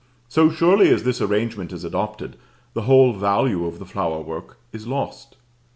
So surely as this arrangement is adopted, the whole value of the flower work is lost.